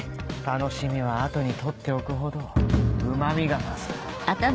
楽しみは後に取っておくほどうまみが増す。